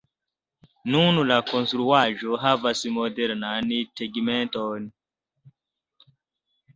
Nun la konstruaĵo havas modernan tegmenton.